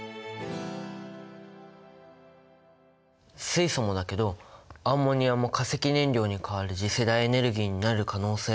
水素もだけどアンモニアも化石燃料に代わる次世代エネルギーになる可能性があるんだね。